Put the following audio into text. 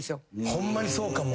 ホンマにそうかも。